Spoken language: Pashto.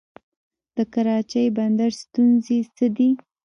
د کراچۍ بندر ستونزې څه دي؟